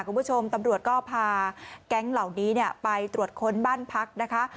คุณผู้ชมตำรวจก็พาแก๊งเหล่านี้ไปตรวจค้นบ้านพักนะคะ